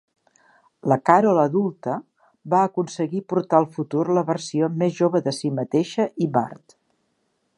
La Carol adulta va aconseguir portar al futur la versió més jove de si mateixa i Bart.